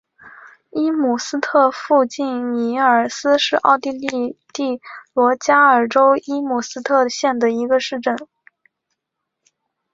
伊姆斯特附近米尔斯是奥地利蒂罗尔州伊姆斯特县的一个市镇。